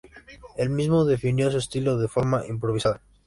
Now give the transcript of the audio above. Él mismo definió su estilo de forma improvisada